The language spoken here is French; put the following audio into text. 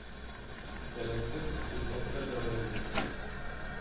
Elle accepte et s’installe la vallée.